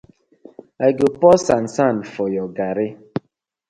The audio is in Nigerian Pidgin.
I go pour sand sand for your garri.